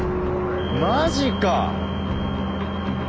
マジか！